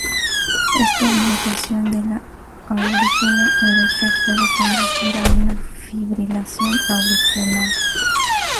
Esta dilatación de la aurícula derecha puede conducir a una fibrilación auricular.